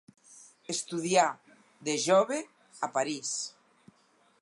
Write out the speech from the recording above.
Estudià, de jove, a París.